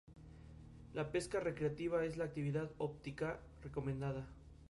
En ese instante, Daenerys comienza a sentirse mal debido a su embarazo.